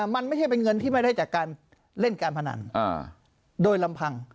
มันไม่ใช่เป็นเงินที่ไม่ได้จากการเล่นการพนันโดยลำพัง